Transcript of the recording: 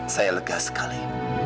saya lega sekali